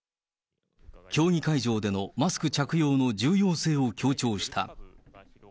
競技会場でのマスク着用の重要性を強調した。